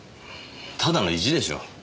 ただの意地でしょう。